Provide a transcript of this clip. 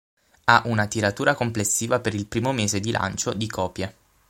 Ha una tiratura complessiva per il primo mese di lancio di di copie.